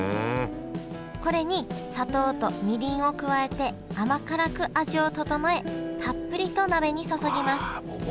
これに砂糖とみりんを加えて甘辛く味を調えたっぷりと鍋に注ぎますもう和の味だね。